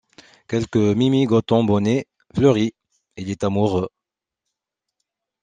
Quelque mimi-goton-bonnet-fleuri! il est amoureux.